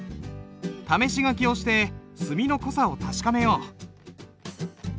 試し書きをして墨の濃さを確かめよう。